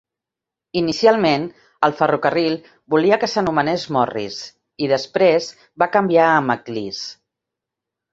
Inicialment, el ferrocarril volia que s'anomenés Morris, i després va canviar a McLis.